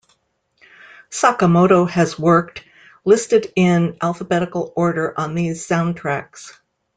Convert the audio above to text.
Sakamoto has worked, listed in alphabetical order on these soundtracks.